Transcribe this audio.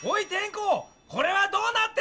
これはどうなってるんだ